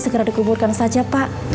segera dikuburkan saja pak